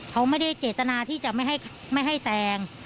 เขาไม่ได้เจตนาที่จะไม่ให้แต่ง